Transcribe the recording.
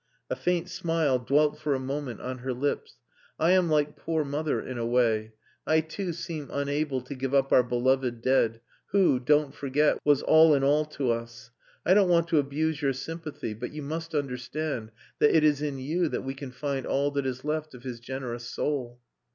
A faint smile dwelt for a moment on her lips. "I am like poor mother in a way. I too seem unable to give up our beloved dead, who, don't forget, was all in all to us. I don't want to abuse your sympathy, but you must understand that it is in you that we can find all that is left of his generous soul."